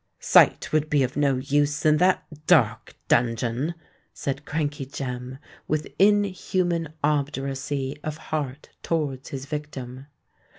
"Sight would be of no use in that dark dungeon," said Crankey Jem, with inhuman obduracy of heart towards his victim.